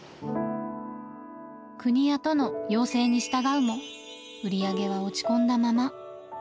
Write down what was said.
国や都の要請に従うも、売り上げは落ち込んだまま。